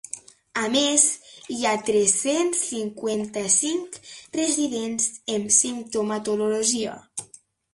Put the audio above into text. A més hi ha tres-cents cinquanta-cinc residents amb simptomatologia.